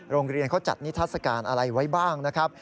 โรงเรียนเขาจัดนิทัศกาลอะไรไว้บ้างนะครับ